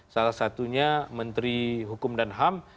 salah satunya menteri hukum dan ham